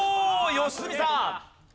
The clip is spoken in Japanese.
良純さん。